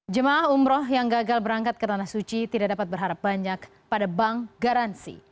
jemaah umroh yang gagal berangkat ke tanah suci tidak dapat berharap banyak pada bank garansi